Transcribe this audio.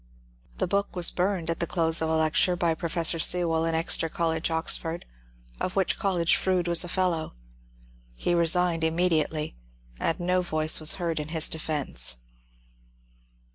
The book was burned at the close of a lecture by Professor Sewell in Exeter College, Oxford, of which college Froude was a Fellow ; he resigned immediately, and no voice was heard in his defence.